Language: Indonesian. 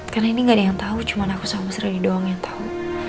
karena ini gak ada yang tahu cuma aku sama mas rendy doang yang tahu